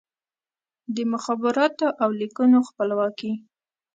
د مخابراتو او لیکونو خپلواکي